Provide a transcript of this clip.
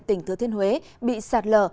tỉnh thừa thiên huế bị sạt lở